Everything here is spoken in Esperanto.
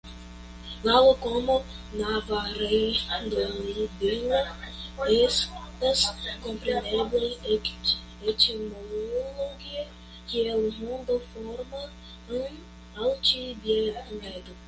La loknomo "Navarredondilla" estas komprenebla etimologie kiel "Rondoforma Altbieneto".